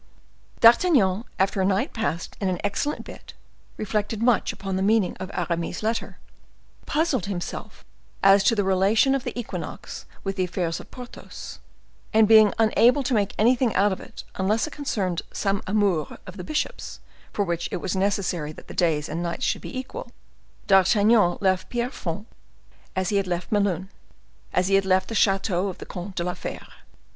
D'Artagnan, after a night passed in an excellent bed, reflected much upon the meaning of Aramis's letter; puzzled himself as to the relation of the Equinox with the affairs of Porthos; and being unable to make anything out unless it concerned some amour of the bishopp's, for which it was necessary that the days and nights should be equal, D'Artagnan left Pierrefonds as he had left Melun, as he had left the chateau of the Comte de la Fere.